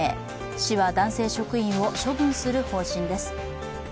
市は男性職員を処分する方針です。